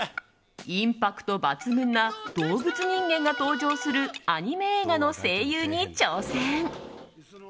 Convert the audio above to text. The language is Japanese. インパクト抜群な動物人間が登場するアニメ映画の声優に挑戦。